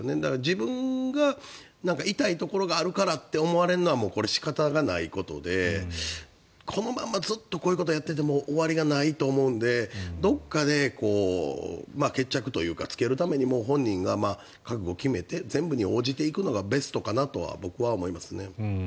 自分が痛いところがあるからって思われるのはもうこれ、仕方がないことでこのままずっとこういうことをやっていても終わりがないと思うのでどこかで決着というかつけるためにも本人が覚悟を決めて全部に応じていくのがベストかなとは僕は思いますね。